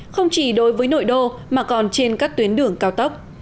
không chỉ đối với nội đô mà còn trên các tuyến đường cao tốc